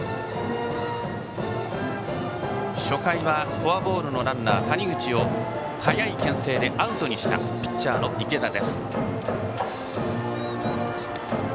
初回はフォアボールのランナー谷口を速いけん制でアウトにしたピッチャーの池田。